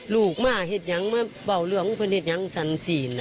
ลูกมาเห็นอย่างเบาเรืองเพิ่งเห็นอย่างสันสีน